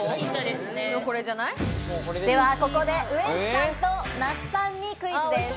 ではここで、ウエンツさんと那須さんにクイズです。